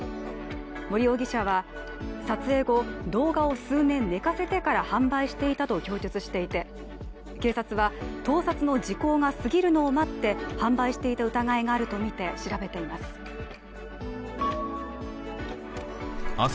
森容疑者は、撮影後、動画を数年寝かせてから販売していたと供述していて、警察は、盗撮の時効が過ぎるのを待って販売していた疑いがあるとみて調べています。